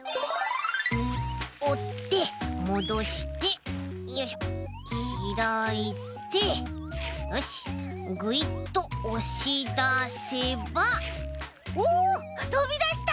おってもどしてよいしょひらいてよしぐいっとおしだせばおおとびだした！